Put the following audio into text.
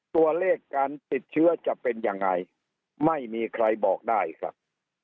ตัวเลขการติดเชื้อจะเป็นยังไงไม่มีใครบอกได้ครับ